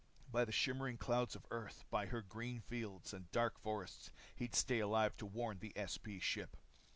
By the shimmering clouds of Earth, by her green fields, and dark forests, he'd stay alive to warn the SP ship.